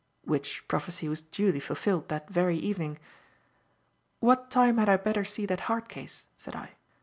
Which prophecy was duly fulfilled that very evening. "What time had I better see that heart case?" said I.